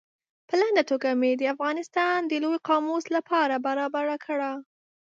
په لنډه توګه مې د افغانستان د لوی قاموس له پاره برابره کړه.